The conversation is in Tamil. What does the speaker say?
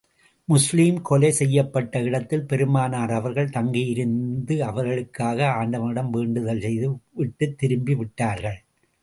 முஸ்லிம்கள் கொலை செய்யப்பட்ட இடத்தில் பெருமானார் அவர்கள் தங்கியிருந்து, அவர்களுக்காக ஆண்டவனிடம் வேண்டுதல் செய்து விட்டுத் திரும்பி விட்டார்கள்.